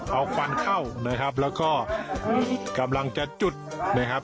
เอาควันเข้านะครับแล้วก็กำลังจะจุดนะครับ